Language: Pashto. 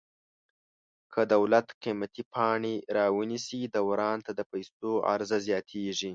که دولت قیمتي پاڼې را ونیسي دوران ته د پیسو عرضه زیاتیږي.